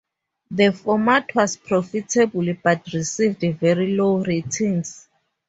The format was profitable but received very low ratings.